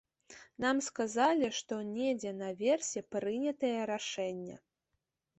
Нам сказалі, што недзе наверсе прынятае рашэнне.